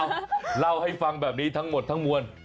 เล่าให้ฟังแบบนี้ทั้งหมดทั้งมวล